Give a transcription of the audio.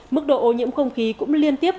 mức độ ô nhiễm không khí cũng liên tiếp